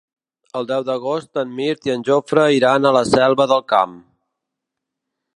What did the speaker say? El deu d'agost en Mirt i en Jofre iran a la Selva del Camp.